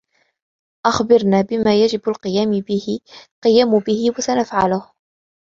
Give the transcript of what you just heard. أخبرنا بما يجب القيام به وسنفعله.